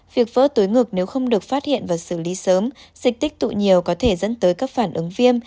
việc vỡ túi ngực nếu không được phát hiện và xử lý sớm dịch tích tụ nhiều có thể dẫn tới các phản ứng viêm